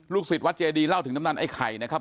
ลูกศิลป์วัดเจดีเล่าถึงน้ำนั้นไอ้ไข่นะครับ